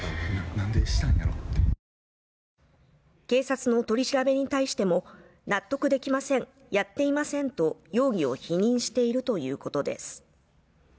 警察の取り調べに対しても納得できませんやっていませんと容疑を否認しているということです